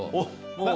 もう。